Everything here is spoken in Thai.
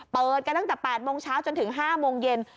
เปิดกันตั้งแต่๘โมงเช้าจนถึง๕โมงเย็น